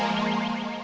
tanggapan untuk placement